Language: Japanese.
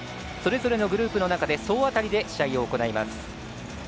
それぞれのグループの中で総当たりで試合が行われます。